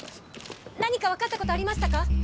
何か分かったことありましたか？